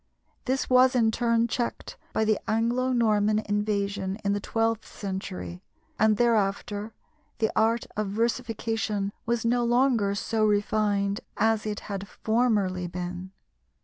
This was in turn checked by the Anglo Norman invasion in the twelfth century, and thereafter the art of versification was no longer so refined as it had formerly been.